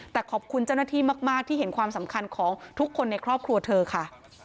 แต่ขอบคุณเจ้าหน้าที่มากที่เห็นความสำคัญของทุกคนในครอบครัวเธอค่ะ